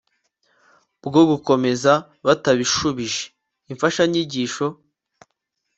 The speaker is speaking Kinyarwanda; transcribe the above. bwo gukomeza batabishubijeimfashanyigisho